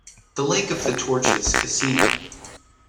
The Lake of the Torches casino.